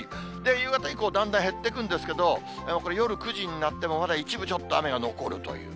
夕方以降、だんだん減っていくんですけど、これ、夜９時になっても、まだ一部ちょっと雨が残るという。